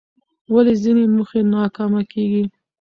ولې ځینې موخې ناکامه کېږي؟